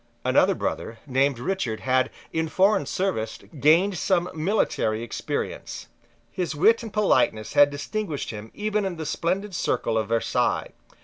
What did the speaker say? Another brother, named Richard, had, in foreign service, gained some military experience. His wit and politeness had distinguished him even in the splendid circle of Versailles.